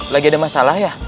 lagi ada masalah ya